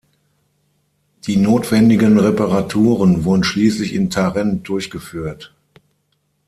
Die notwendigen Reparaturen wurden schließlich in Tarent durchgeführt.